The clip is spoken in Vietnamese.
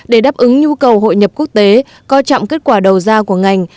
để đáp ứng nhu cầu hội nhập quốc tế coi trọng kết quả đầu ra của ngành